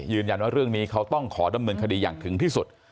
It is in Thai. ยืนยันว่าเรื่องนี้เขาต้องขอดำเนินคดีอย่างถึงที่สุด